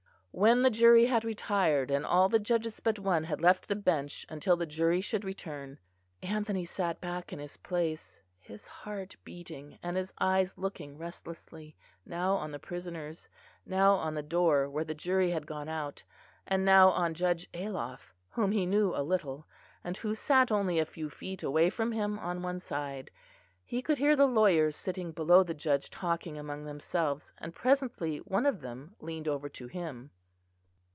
When the jury had retired, and all the judges but one had left the bench until the jury should return, Anthony sat back in his place, his heart beating and his eyes looking restlessly now on the prisoners, now on the door where the jury had gone out, and now on Judge Ayloff, whom he knew a little, and who sat only a few feet away from him on one side. He could hear the lawyers sitting below the judge talking among themselves; and presently one of them leaned over to him.